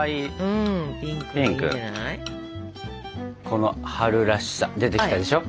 この春らしさ出てきたでしょ？